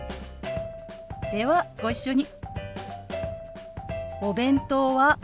ではご一緒に。